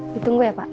ditunggu ya pak